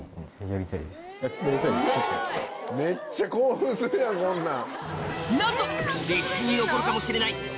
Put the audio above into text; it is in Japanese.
めっちゃ興奮するやんこんなん。